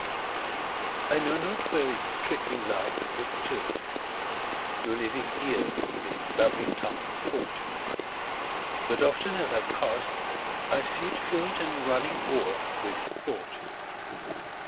I know not where its trickling life was still'd; No living ears its babbling tongue has caught; But often, as I pass, I see it fill'dAnd running o'er with thought.